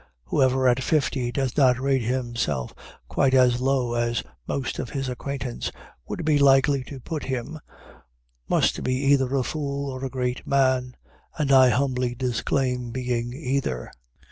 Whoever at fifty does not rate himself quite as low as most of his acquaintance would be likely to put him, must be either a fool or a great man, and I humbly disclaim being either.